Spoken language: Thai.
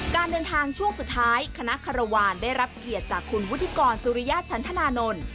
การเดินทางช่วงสุดท้ายคณะคารวาลได้รับเกียรติจากคุณวุฒิกรสุริยฉันธนานนท์